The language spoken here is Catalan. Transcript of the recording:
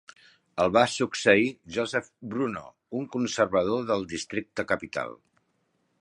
El va succeir Joseph Bruno, un conservador del Districte Capital.